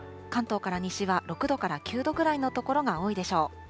関東から西は６度から９度ぐらいの所が多いでしょう。